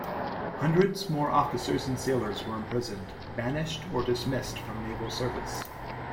Hundreds more officers and sailors were imprisoned, banished or dismissed from naval service.